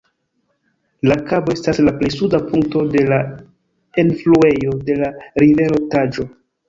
La kabo estas la plej suda punkto de la enfluejo de la rivero Taĵo.